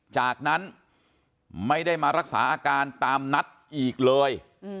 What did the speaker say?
จากนั้นไม่ได้มารักษาอาการตามนัดอีกเลย